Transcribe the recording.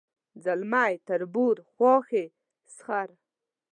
ځلمی تربور خواښې سخر